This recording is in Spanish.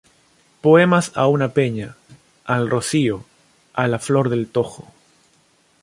Poemas a una peña, al rocío, a la flor del tojo...